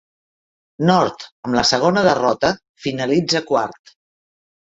Nord, amb la segona derrota, finalitza quart.